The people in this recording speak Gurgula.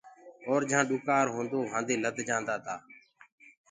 اور جھآنٚ ڏُڪار هونٚدو وهانٚدي لد جآندآ تآ۔